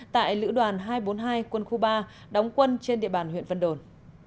tại lữ đoàn hai trăm bốn mươi hai quân khu ba đóng quân trên địa bàn huyện vân đồn